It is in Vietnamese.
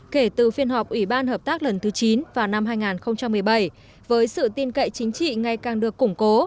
kể từ phiên họp ủy ban hợp tác lần thứ chín vào năm hai nghìn một mươi bảy với sự tin cậy chính trị ngày càng được củng cố